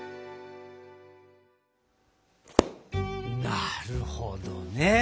なるほどね！